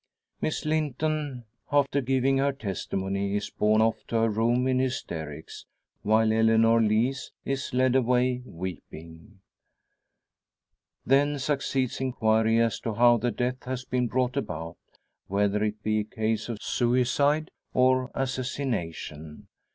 Miss Linton, after giving her testimony, is borne off to her room in hysterics; while Eleanor Lees is led away weeping. Then succeeds inquiry as to how the death has been brought about; whether it be a case of suicide or assassination?